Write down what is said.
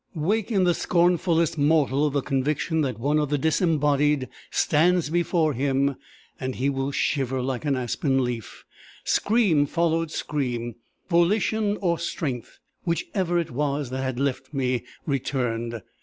Wake in the scornfullest mortal the conviction that one of the disembodied stands before him, and he will shiver like an aspen leaf. Scream followed scream. Volition or strength, whichever it was that had left me, returned.